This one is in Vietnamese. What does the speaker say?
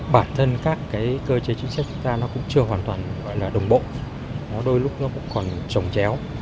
bản thân các cơ chế chính xác chúng ta cũng chưa hoàn toàn đồng bộ đôi lúc nó còn trồng chéo